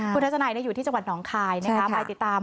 คุณทัศนัยอยู่ที่จังหวัดหนองคายนะคะไปติดตาม